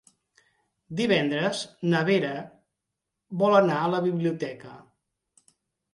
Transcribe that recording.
Divendres na Vera vol anar a la biblioteca.